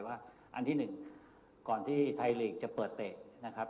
อันที่๑ก่อนที่ไทยลีกจะเปิดเตะนะครับ